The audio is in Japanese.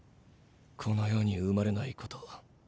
この世に生まれないこと。